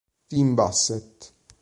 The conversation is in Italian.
Tim Bassett